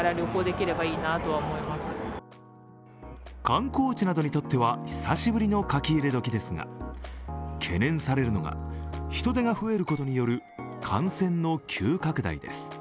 観光地などにとっては久しぶりの書き入れ時ですが懸念されるのが、人出が増えることによる感染の急拡大です。